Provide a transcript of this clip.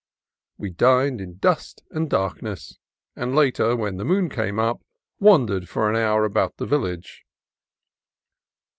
We dined in dust and darkness, and later, when the moon came up, wandered for an hour about the village.